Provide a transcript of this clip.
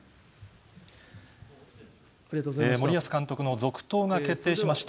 森保監督の続投が決定しました。